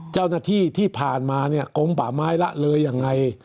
ที่ผ่านมาเนี่ยกลมป่าไม้ละเลยยังไง